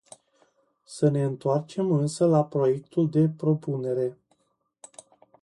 Să ne întoarcem însă la proiectul de propunere.